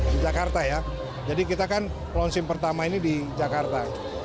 di jakarta ya jadi kita kan launching pertama ini di jakarta